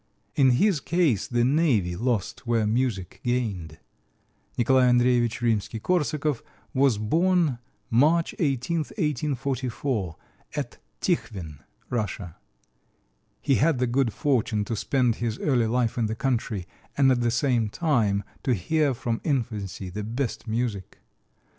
In his case the Navy lost where music gained. Nicholas Andreievich Rimsky Korsakov was born March 18, 1844, at Tikhvin, Russia. He had the good fortune to spend his early life in the country, and at the same time to hear from infancy the best music.